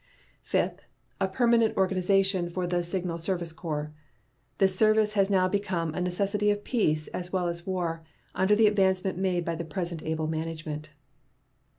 Fifth. A permanent organization for the Signal Service Corps. This service has now become a necessity of peace as well as war, under the advancement made by the present able management.